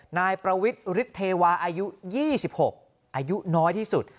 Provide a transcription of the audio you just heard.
นายประวิทธิ์ฤทธิวาอายุยี่สิบหกอายุน้อยที่สุด